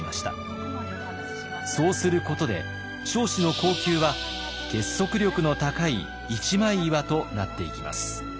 そうすることで彰子の後宮は結束力の高い一枚岩となっていきます。